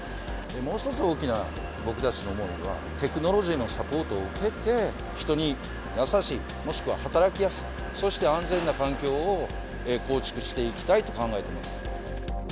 もう一つ、大きな僕たちの思いは、テクノロジーのサポートを受けて、人に優しい、もしくは働きやすい、そして安全な環境を構築していきたいと考えてます。